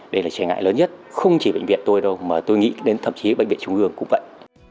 đây là trở ngại lớn nhất không chỉ bệnh viện tôi đâu mà tôi nghĩ đến thậm chí bệnh viện trung ương cũng vậy